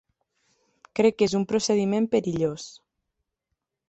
Crec que és un procediment perillós.